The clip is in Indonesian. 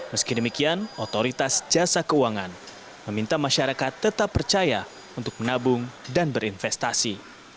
meski demikian otoritas jasa keuangan meminta masyarakat tetap percaya untuk menabung dan berinvestasi